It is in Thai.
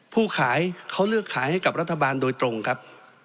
ผู้ขายเขาเลือกขายให้กับรัฐบาลโดยตรงครับ